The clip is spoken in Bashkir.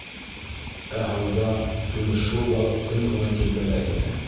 Ә һыуҙа көмөшһыу балыҡ тын ғына тирбәлә ине.